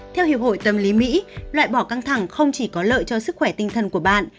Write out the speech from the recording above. theo hiệp hội tâm lý mỹ loại bỏ căng thẳng không chỉ có lợi cho sức khỏe tinh thần của bạn